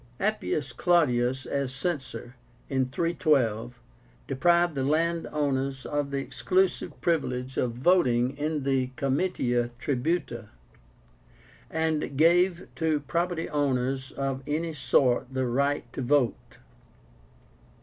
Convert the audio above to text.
APPIUS CLAUDIUS as Censor, in 312, deprived the landowners of the exclusive privilege of voting in the Comitia Tribúta, and gave to property owners of any sort the right to vote.